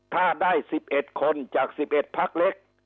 ถ้าได้สิบเอ็ดคนจากสิบเอ็ดพักเล็ก